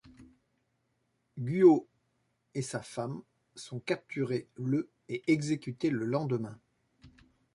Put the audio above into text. Guo et sa femme sont capturés le et exécutés le lendemain.